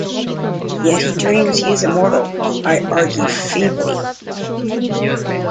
Yet he dreams he is immortal, I argue feebly.